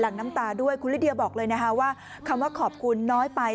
คุณลิดเดียบอกเลยนะคะว่าคำว่าขอบคุณน้อยไป